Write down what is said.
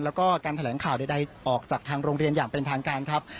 แล้วก็การแถลงข่าวใดออกจากทางโรงเรียนอย่างเป็นทางการครับ